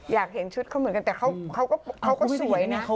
อยากเห็นชุดเขาเหมือนกันแต่เขาก็สวยนะ